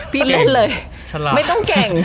เล่นเลยไม่ต้องเก่ง